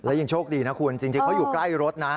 และยังโชคดีนะคุณจริงเขาอยู่ใกล้รถนะ